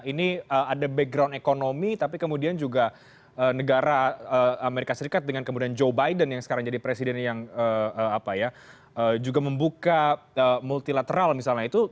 ini ada background ekonomi tapi kemudian juga negara amerika serikat dengan kemudian joe biden yang sekarang jadi presiden yang juga membuka multilateral misalnya itu